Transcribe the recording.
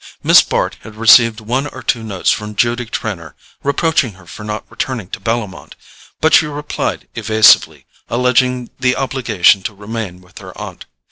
Miss Bart had received one or two notes from Judy Trenor, reproaching her for not returning to Bellomont; but she replied evasively, alleging the obligation to remain with her aunt.